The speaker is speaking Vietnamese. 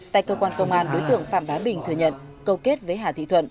tại cơ quan công an đối tượng phạm bá bình thừa nhận cầu kết với hà thị thuận